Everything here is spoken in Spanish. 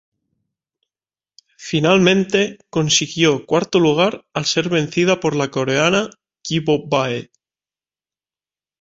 Finalmente consiguió cuarto lugar al ser vencida por la coreana Ki Bo Bae.